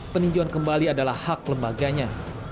menyebutkan pkpi sebagai hak lembaganya